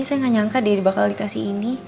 saya nggak nyangka dia bakal dikasih ini